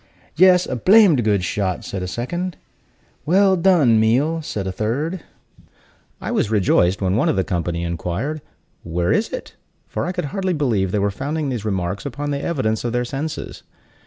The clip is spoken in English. "Yes, a blamed good shot!" said a second. "Well done, Meal!" said a third. I was rejoiced when one of the company inquired, "Where is it?" for I could hardly believe they were founding these remarks upon the evidence of their senses.